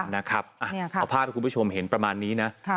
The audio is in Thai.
เอาภาพที่คุณผู้ชมเห็นประมาณนี้นะ